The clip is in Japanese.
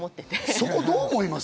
そこ、どう思います？